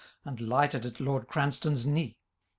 And lighted at Lord Cranstoun^s knee.